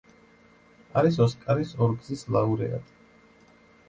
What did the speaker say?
არის ოსკარის ორგზის ლაურეატი.